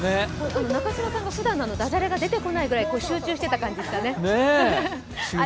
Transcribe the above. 中島さんのふだんのダジャレが出てこない集中してたんですかね。